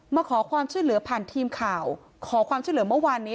มาขอความช่วยเหลือผ่านทีมข่าวขอความช่วยเหลือเมื่อวานนี้